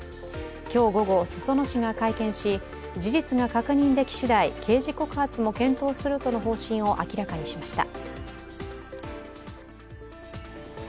今日午後、裾野市が会見し事実が確認できしだい刑事告発も検討するとの方針を明らかにしました。